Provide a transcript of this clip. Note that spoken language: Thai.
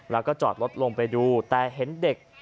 แล้วก็จอดรถลงไปดูแต่เห็นเด็ก